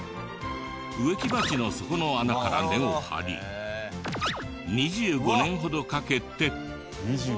植木鉢の底の穴から根を張り２５年ほどかけて。